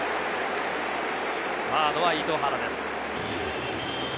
サードは糸原です。